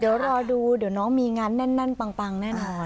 เดี๋ยวรอดูเดี๋ยวน้องมีงานแน่นปังแน่นอน